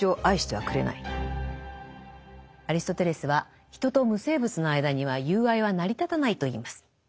アリストテレスは人と無生物の間には友愛は成り立たないと言います。